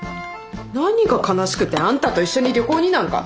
何が悲しくてあんたと一緒に旅行になんか。